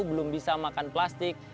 belum bisa makan plastik